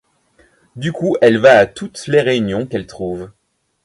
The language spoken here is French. Du coup elle va à toutes les réunions qu’elle trouve.